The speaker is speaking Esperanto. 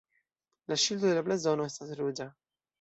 La ŝildo de la blazono estas ruĝa.